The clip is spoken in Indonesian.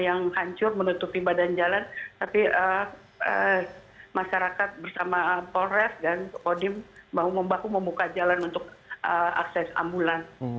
yang hancur menutupi badan jalan tapi masyarakat bersama polres dan kodim bahu membahu membuka jalan untuk akses ambulan